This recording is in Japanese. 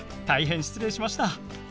大変失礼しました。